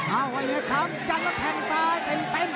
เอาไว้เลยคำกันแล้วแทงซ้ายเต็ม